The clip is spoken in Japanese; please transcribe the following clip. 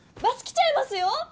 バス来ちゃいますよ！